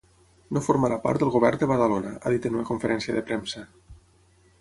No formarà part del govern de Badalona, ha dit en una conferència de premsa.